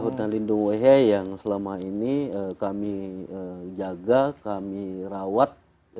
hutan lindung wh yang selama ini kami jaga kami rawat